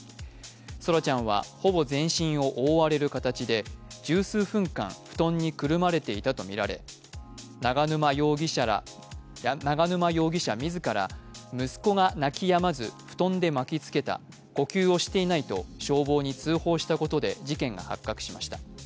奏良ちゃんはほぼ全身を覆われる形で十数分間、布団にくるまれていたとみられ永沼容疑者自ら、息子が泣きやまず布団で巻き付けた呼吸をしていないと消防に通報したことで事件が発覚しました。